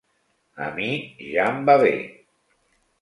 A mi ja em va bé.